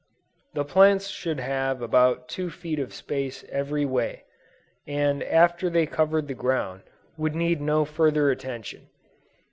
The plants should have about two feet of space every way, and after they covered the ground, would need no further attention.